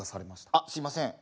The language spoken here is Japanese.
あすいません。